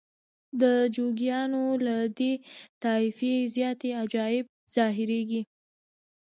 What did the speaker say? د جوګیانو له دې طایفې زیاتې عجایب ظاهریږي.